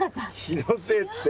気のせいって。